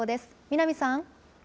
南さん。